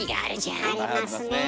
ありますね。